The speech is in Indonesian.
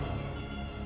pergi ke sana